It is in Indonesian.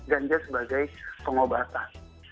ganja sebagai pengobatan